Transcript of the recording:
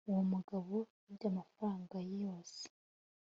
Uwo mugabo yibye amafaranga ye yose